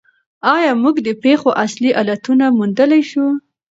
آیا موږ د پېښو اصلي علتونه موندلای شو؟